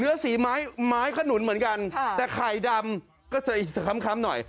เนื้อสีไม้ไม้ขนุนเหมือนกันค่ะแต่ไข่ดำก็จะอิสขั้มขั้มหน่อย